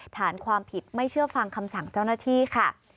ฐานความผิดไม่เชื่อฟังคำสั่งเจ้าหน้าที่ค่ะ